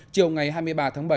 chiều ngày hai mươi ba tháng bảy